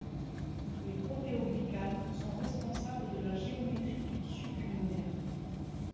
Les protéoglycanes sont responsables de la géométrie du tissu pulmonaire.